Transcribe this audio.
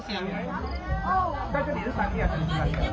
เงียบดูนี้ความเสียง